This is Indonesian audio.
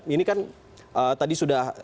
ini kan tadi sudah